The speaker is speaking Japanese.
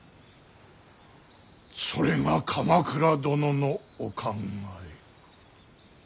それが鎌倉殿のお考え。